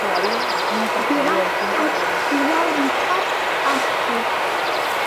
Бираҟ Кьаҿ иуал ишәар акәхеит.